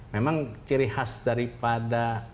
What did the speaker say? memang ciri khas daripada